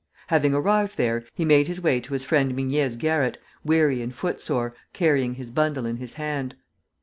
Having arrived there, he made his way to his friend Mignet's garret, weary and footsore, carrying his bundle in his hand.